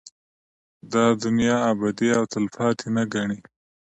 دا دنيا ابدي او تلپاتې نه گڼي